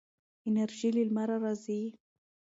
انرژي له لمره راځي.